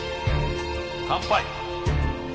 乾杯！